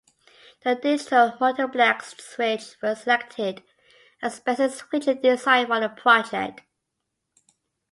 The Digital Multiplexed Switch was selected as the basic switching design for the project.